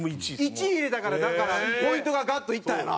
１位入れたからだからポイントがガッといったんやな。